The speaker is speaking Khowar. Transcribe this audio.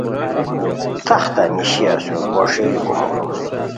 تختہ نیشی اسور بو ݰیلی کومورو